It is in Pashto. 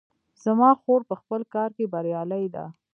زما خور په خپل کار کې بریالۍ ده